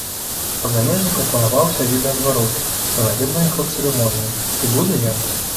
Ад замежнікаў планаваўся відэазварот да наведвальнікаў цырымоніі, ці будзе ён?